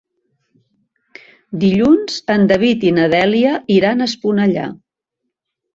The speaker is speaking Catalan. Dilluns en David i na Dèlia iran a Esponellà.